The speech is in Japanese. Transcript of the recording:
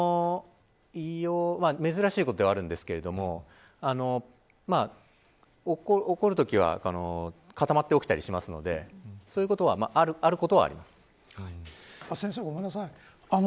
珍しいことではあるんですけども起こるときは固まって起きたりするのでそういうことは先生、ごめんなさい。